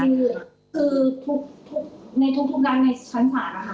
คือทุกในทุกด้านในชั้นศาลนะคะ